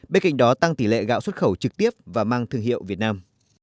bên cạnh đó tăng tỷ lệ gạo xuất khẩu trực tiếp và mang thương hiệu việt nam